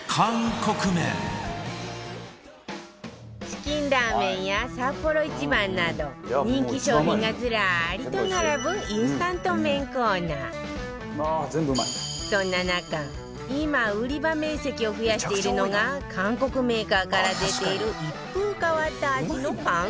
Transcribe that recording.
チキンラーメンやサッポロ一番など人気商品がずらりと並ぶそんな中今売り場面積を増やしているのが韓国メーカーから出ている一風変わった味の